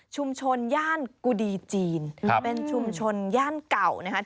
ย่านกุดีจีนเป็นชุมชนย่านเก่านะครับ